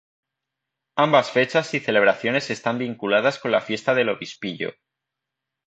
Ambas fechas y celebraciones están vinculadas con la fiesta del obispillo.